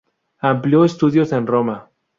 Amplió estudios en Roma.